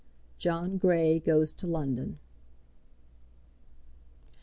John Grey Goes to London.